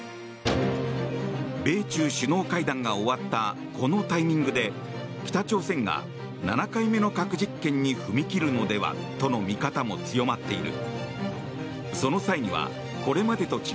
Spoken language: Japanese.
米中首脳会談が終わったこのタイミングで北朝鮮が７回目の核実験に踏み切るのではとの見方も強まっている。